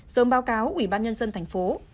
sớm báo cáo ubnd tp